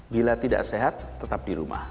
bila tidak sehat tetap di rumah